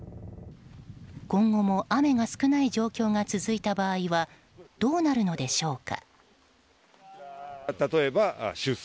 今後も雨が少ない状況が続いた場合はどうなるのでしょうか。